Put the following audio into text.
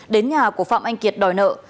đến nhà của phạm anh kiệt đòi nợ